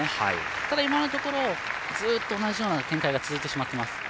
ただ、今のところずっと同じような展開が続いてしまっています。